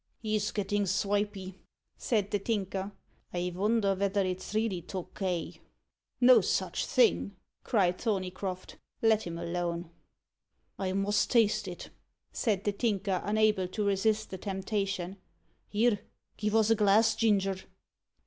"He's gettin' svipy," said the Tinker. "I vonder vether it's really Tokay?" "No such thing," cried Thorneycroft; "let him alone." "I must taste it," said the Tinker, unable to resist the temptation. "Here, give us a glass, Ginger!"